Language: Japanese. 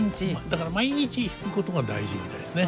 だから毎日弾くことが大事みたいですね。